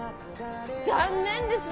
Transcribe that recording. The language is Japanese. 残念ですね！